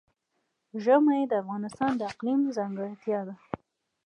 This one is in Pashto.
ژبې د افغانستان د اقلیم ځانګړتیا ده.